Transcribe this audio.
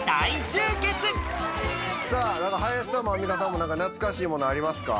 林さんもアンミカさんも懐かしいものありますか？